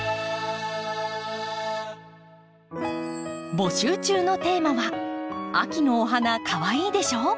募集中のテーマは「秋のお花かわいいでしょ？」。